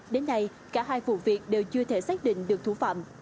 đến nay cả hai vụ việc đều chưa thể xác định được thuộc